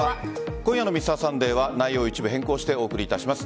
今夜の「Ｍｒ．サンデー」は内容を一部変更してお送りいたします。